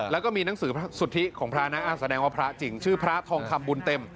แล้วก็มีหนังสือสุทธิของพระนะแสดงว่าพระจริงชื่อพระทองคำบุญเต็ม